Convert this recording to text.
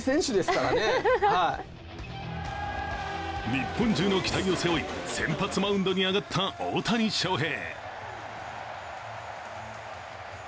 日本中の期待を背負い先発マウンドに上がった大谷翔平。